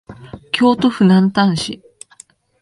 京都府南丹市